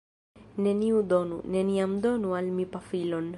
Neniu donu... neniam donu al mi pafilon